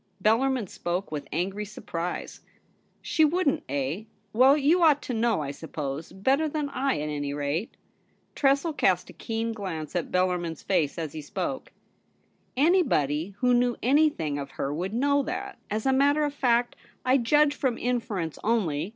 Bellarmin spoke with angry surprise. ' She wouldn't, eh ? Well, you ought to know, I suppose — better than I, at any rate.' Tressel cast a keen glance at Bellarmin's face as he spoke. * Anybody who knew anything of her would know that. As a matter of fact, I judge from inference only.